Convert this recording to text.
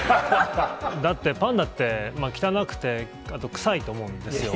だって、パンダって汚くて、あと臭いと思うんですよ。